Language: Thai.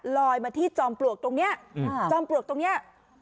ลอยมาที่จอมปลวกตรงนี้จอมปลวกตรงนี้